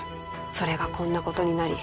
それがこんなことになり